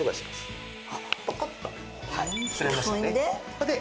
それで？